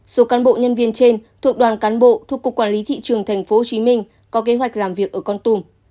số cán bộ nhân viên trên thuộc đoàn cán bộ thuộc cục quản lý thị trường tp hcm có kế hoạch làm việc ở con tùm